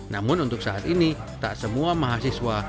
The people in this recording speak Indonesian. namun untuk saat ini tak semua mahasiswa